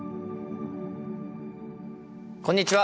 こんにちは！